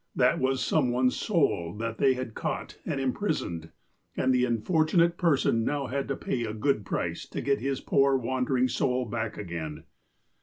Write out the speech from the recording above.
That was some one's soul that they had caught and im prisoned, and the unfortunate person now had to pay a good price to get his poor wandering soul back again.